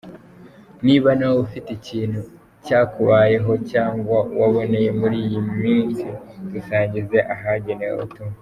Niba nawe ufite ikintu cyakubayeho cyangwa waboneye muri iyi minsi dusangize ahagenewe ubutumwa.